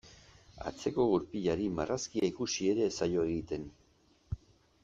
Atzeko gurpilari marrazkia ikusi ere ez zaio egiten.